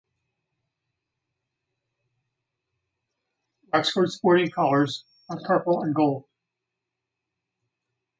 Wexford sporting colours are purple and gold.